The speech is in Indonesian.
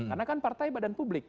karena kan partai badan publik